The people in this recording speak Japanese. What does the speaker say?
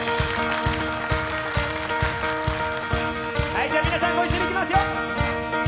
はい、じゃあ皆さんご一緒にいきますよ！